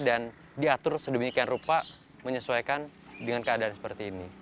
dan diatur sedemikian rupa menyesuaikan dengan keadaan seperti ini